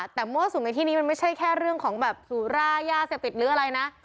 แต่มั่วสุมในที่นี้มันไม่ใช่แค่เรื่องของแบบสุรายาเสพติดหรืออะไรนะ